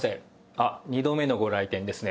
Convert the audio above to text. あっ２度目のご来店ですね。